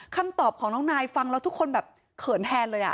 คำตอบของน้องนายฟังแล้วทุกคนแบบเขินแทนเลย